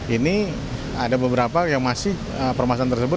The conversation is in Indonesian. ini ada beberapa yang masih permasalahan tersebut